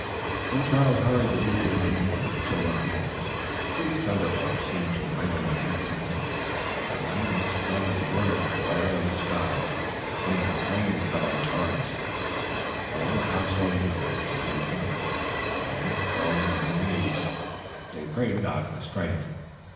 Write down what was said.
Then Charles hurried the weeping women and children home. Great thunder bolts seemed to rend Manhattan Island. The lightning spread a lurid glare on the sky, and the rain fell in torrents. All of the household knew what was being done, and, falling on their knees, they prayed God for strength.